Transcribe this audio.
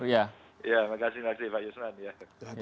terima kasih pak yusman